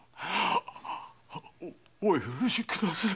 お許しください。